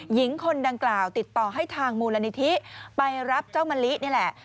หญิงคนดังกล่าวติดต่อให้ทางมูลนิธิไปรับเจ้ามะลินี่แหละ